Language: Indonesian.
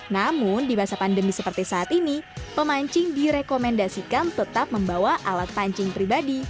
namun di masa pandemi seperti saat ini pemancing direkomendasikan tetap membawa alat pancing pribadi